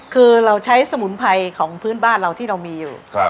คือเราใช้สมุนไพรของพื้นบ้านเราที่เรามีอยู่